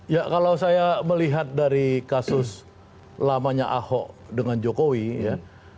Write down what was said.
ya kalau saya melihat dari kasus lamanya ahok dengan jokowi ya